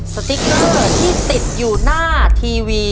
สติ๊กเกอร์ที่ติดอยู่หน้าทีวี